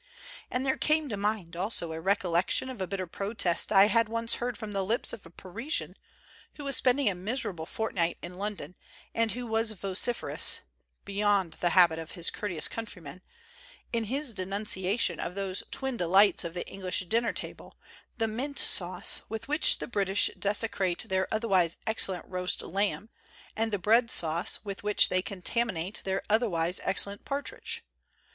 And there came to mind also a recollection of a bitter protest I had once heard from the lips of a Parisian who was spending a miserable fortnight in London, and who was vociferous (beyond the habit of his courteous countrymen) in his denunciation of those twin delights of the English dinner table, the mint sauce with which the British desecrate their otherwise excellent roast lamb and the bread sauce with which they contaminate their otherwise excellent partridge.